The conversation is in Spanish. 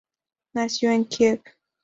Nació en Kiev.